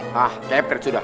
hah kepet sudah